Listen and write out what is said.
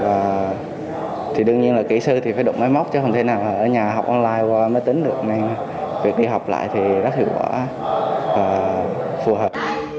và thì đương nhiên là kỹ sư thì phải đụng mấy mốc chứ không thể nào ở nhà học online qua máy tính được nên việc đi học lại thì rất hiệu quả và phù hợp